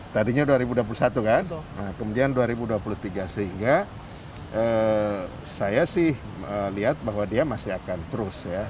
tadinya dua ribu dua puluh satu kan kemudian dua ribu dua puluh tiga sehingga saya sih melihat bahwa dia masih akan terus ya